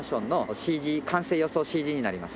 ＣＧになります。